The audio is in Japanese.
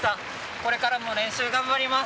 これからも練習頑張ります。